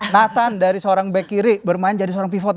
nathan dari seorang back kiri bermain jadi seorang pivot